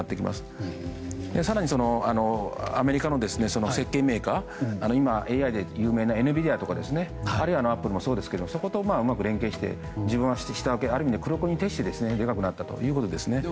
更にアメリカの設計メーカー今、ＡＩで有名なＭＢＩとかあるいはアップルもそうですがそことうまく連携して自分は下請けある意味、黒子に徹してでかくなったということですね。